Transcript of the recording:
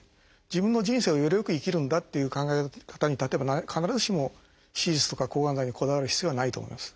自分の人生をゆるく生きるんだっていう考え方に例えば必ずしも手術とか抗がん剤にこだわる必要はないと思います。